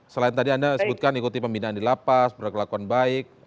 selain tadi anda sebutkan ikuti pembinaan dilapas berkelakuan baik